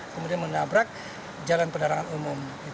kemudian mendabrak jalan penerangan umum